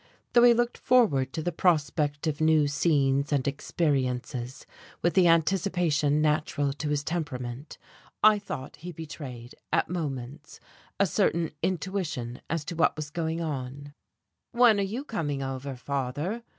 Though he looked forward to the prospect of new scenes and experiences with the anticipation natural to his temperament, I thought he betrayed at moments a certain intuition as to what was going on. "When are you coming over, father?"